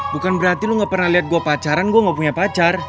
bukan berarti lo gak pernah lihat gue pacaran gue gak punya pacar